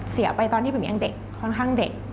เสียไปตอนที่ปิ๋มยังเด็กค่อนข้างเด็ก